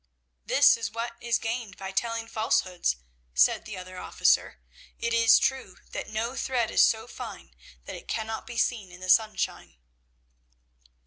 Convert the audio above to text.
"'That is what is gained by telling falsehoods,' said the other officer. 'It is true that no thread is so fine that it cannot be seen in the sunshine.'